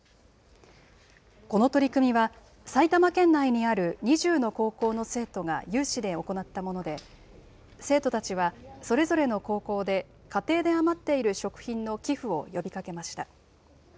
この取り組みは、埼玉県内にある２０の高校の生徒が有志で行ったもので、生徒たちはそれぞれの高校で家庭で余っている食品の寄付を呼びかけました。